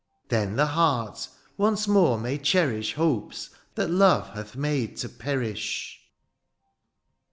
^' Then the heart, once more^ may cherish ^ Hopes that love hath made to perish.